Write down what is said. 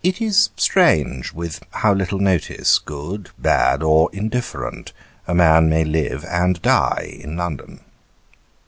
IT is strange with how little notice, good, bad, or indifferent, a man may live and die in London.